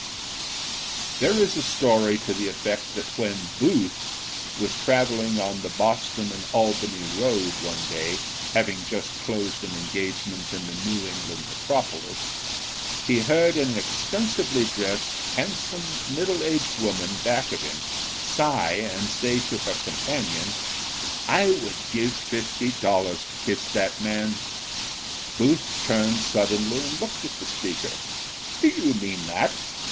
There is a story to the effect that when Booth was traveling on the Boston & Albany Road one day, having just closed an engagement in the New England metropolis, he heard an expensively dressed, handsome, middle aged woman back of him sigh and say to her companion: "I would give fifty dollars to kiss that man!" Booth turned suddenly and looked at the speaker. "Do you mean that?"